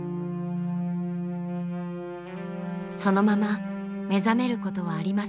そのまま目覚めることはありませんでした。